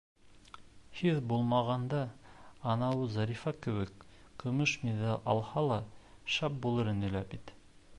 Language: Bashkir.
Һис булмағанда, анауы Зарифа кеүек, көмөш миҙал алһа ла, шәп булыр ине лә бит...